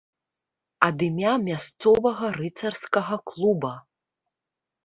Ад імя мясцовага рыцарскага клуба.